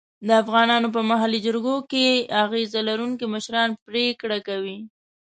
د افغانانو په محلي جرګو کې اغېز لرونکي مشران پرېکړه کوي.